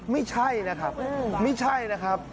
ไม่ใช่นะครับไม่ใช่นะครับ